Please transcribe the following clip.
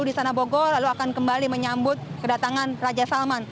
lalu disana bogor lalu akan kembali menyambut kedatangan raja saman